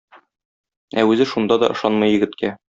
Ә үзе шунда да ышанмый егеткә.